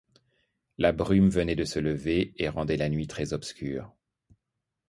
La brume venait de se lever et rendait la nuit très-obscure.